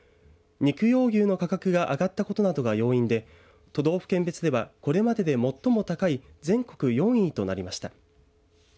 肉用牛の価格が上がったことなどが要因で都道府県別ではこれまでで最も高い全国４位となりました。